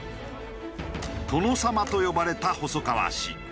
殿様と呼ばれた細川氏。